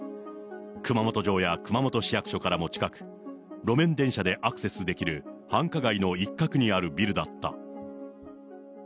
熊本城や熊本市役所からも近く、路面電車でアクセスできる繁華街の一角にあるビルだった。